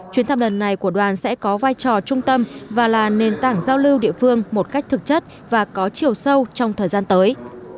chuyến thăm lần này của đoàn sẽ có vai trò trung tâm và là nền tảng giao lưu địa phương một cách thực chất và có chiều sâu trong thời gian tới